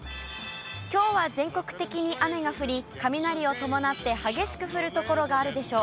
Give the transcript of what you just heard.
きょうは全国的に雨が降り、雷を伴って激しく降る所があるでしょう。